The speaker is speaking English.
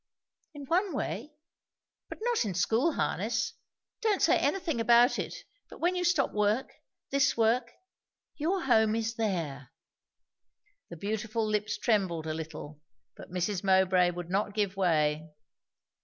"In one way but not in school harness! Don't say anything about it; but when you stop work this work your home is there." The beautiful lips trembled a little, but Mrs. Mowbray would not give way.